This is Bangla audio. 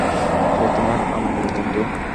সে তোমার আম্মুর বন্ধু।